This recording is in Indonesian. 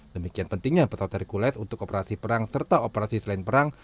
demikian pentingnya pesawat hercules untuk operasi perang serta operasi selain perang